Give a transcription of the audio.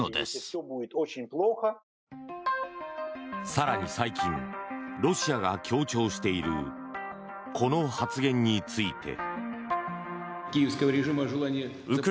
更に最近、ロシアが強調しているこの発言について。